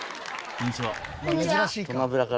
こんにちは。